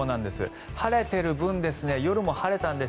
晴れている分夜も晴れたんです